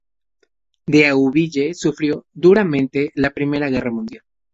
Deauville sufrió duramente la Primera Guerra Mundial.